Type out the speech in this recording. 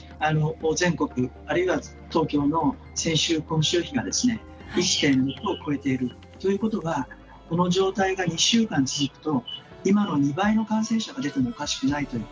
全国あるいは東京の先週、今週比が１．６を超えているということがこの状態が２週間続くと今の２倍の感染者が出てもおかしくないという。